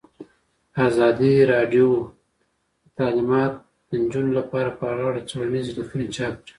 ازادي راډیو د تعلیمات د نجونو لپاره په اړه څېړنیزې لیکنې چاپ کړي.